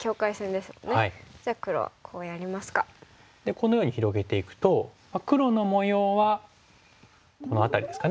このように広げていくと黒の模様はこの辺りですかね。